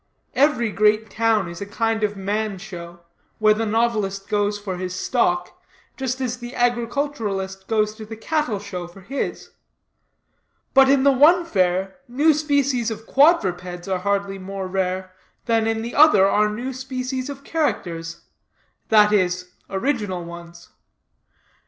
Every great town is a kind of man show, where the novelist goes for his stock, just as the agriculturist goes to the cattle show for his. But in the one fair, new species of quadrupeds are hardly more rare, than in the other are new species of characters that is, original ones.